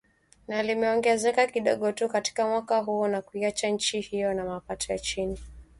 na limeongezeka kidogo tu katika mwaka huo na kuiacha nchi hiyo ya mapato ya chini